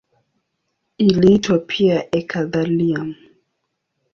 Iliitwa pia eka-thallium.